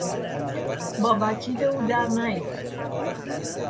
با وکیل او در نیفت!